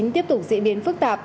tiếp tục diễn biến phức tạp